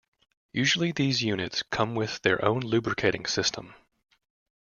Usually these units come with their own lubricating system.